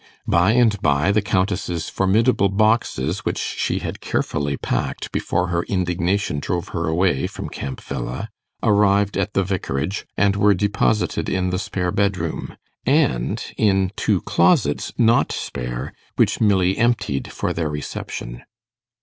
By and by the Countess's formidable boxes, which she had carefully packed before her indignation drove her away from Camp Villa, arrived at the vicarage, and were deposited in the spare bedroom, and in two closets, not spare, which Milly emptied for their reception.